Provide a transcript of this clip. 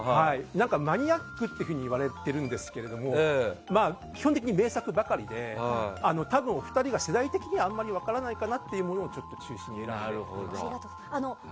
マニアックと言われているんですが基本的に名作ばかりで多分、お二人が世代的にはあまり分からないかなというものを中心に選んでみました。